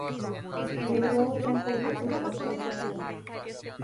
Los huevos son cubiertos con tierra húmeda.